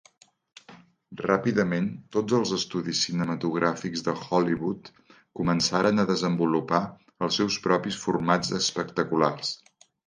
Ràpidament, tots els estudis cinematogràfics de Hollywood començaren a desenvolupar els seus propis formats espectaculars.